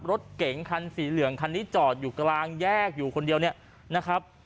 รถเก๋งคันสีเหลืองคันนี้จอดอยู่กลางแยกอยู่คนเดียวเนี่ยนะครับ